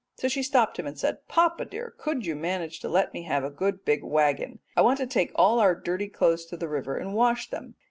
So she stopped him and said, 'Papa, dear, could you manage to let me have a good big waggon? I want to take all our dirty clothes to the river and wash them.